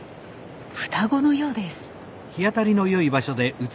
双子のようです。